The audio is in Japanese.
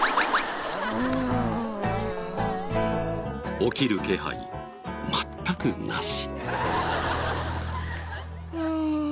起きる気配全くなし。